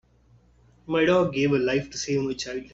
My dog gave her life to save my child.